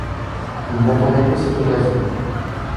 Il n’attendait que cette occasion.